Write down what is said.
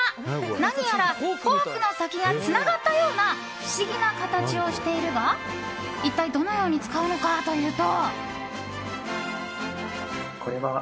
何やらフォークの先がつながったような不思議な形をしているが一体どのように使うのかというと。